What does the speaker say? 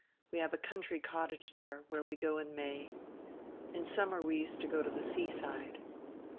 We have a country cottage there, where we go in May. In summer we used to go to the sea side."